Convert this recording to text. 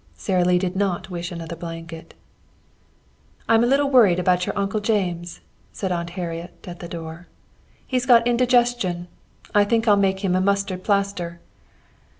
Sara Lee did not wish another blanket. "I'm a little worried about your Uncle James," said Aunt Harriet, at the door. "He's got indigestion. I think I'll make him a mustard plaster."